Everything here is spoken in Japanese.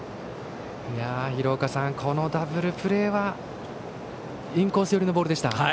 廣岡さん、このダブルプレーはインコース寄りのボールでしたが。